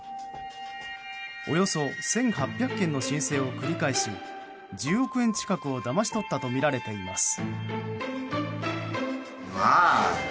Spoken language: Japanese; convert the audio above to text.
およそ１８００件の申請を繰り返し１０億円近くをだまし取ったとみられています。